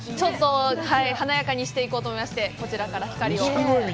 ちょっと華やかにしていこうと思いまして、こちらから光を。